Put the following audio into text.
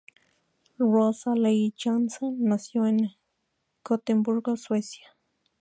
Rosa Lie Johansson nació en Gotemburgo, Suecia.